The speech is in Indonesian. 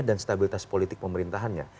dan stabilitas politik pemerintahannya